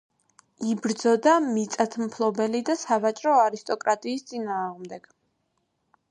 იბრძოდა მიწათმფლობელი და სავაჭრო არისტოკრატიის წინააღმდეგ.